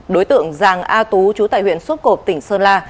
đối tượng giàng a tú chú tại huyện sốp cộp tỉnh sơn la